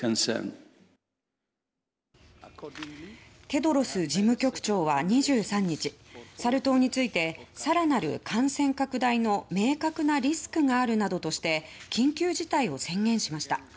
テドロス事務局長は２３日サル痘について更なる感染拡大の明確なリスクがあるなどとして緊急事態を宣言しました。